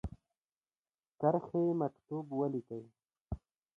کرښې مکتوب ولیکی.